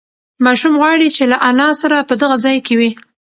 ماشوم غواړي چې له انا سره په دغه ځای کې وي.